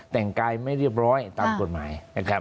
แต่งกายไม่เรียบร้อยตามกฎหมาย